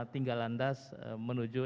tinggal landas menuju